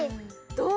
どう？